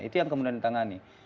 itu yang kemudian ditangani